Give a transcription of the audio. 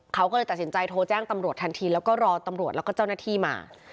เขาก็เลยตัดสินใจโทรแจ้งตำรวจทันทีแล้วก็รอตำรวจแล้วก็เจ้าหน้าที่มา